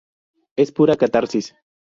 Es pura catarsis.